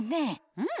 うん！